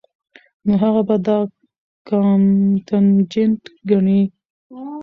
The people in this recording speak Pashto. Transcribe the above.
نو هغه به دا کانټنجنټ ګڼي